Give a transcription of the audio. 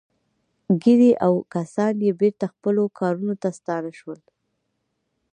ګیري او کسان یې بېرته خپلو کارونو ته ستانه شول